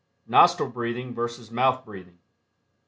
NOSTRIL BREATHING VS. MOUTH BREATHING.